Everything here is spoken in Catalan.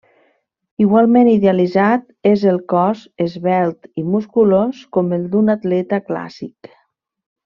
Igualment idealitzat és el cos, esvelt i musculós com el d'un atleta clàssic.